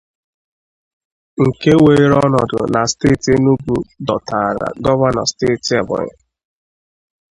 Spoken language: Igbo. nke weere ọnọdụ na steeti Enugu dọtàrà Gọvanọ Steeti Ebonyi